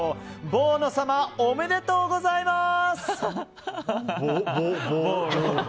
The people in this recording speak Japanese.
ボーノ様、おめでとうございます。